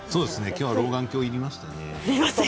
今日は老眼鏡が必要でしたね。